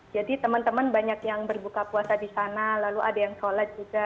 jadi teman teman banyak yang berbuka puasa di sana lalu ada yang sholat juga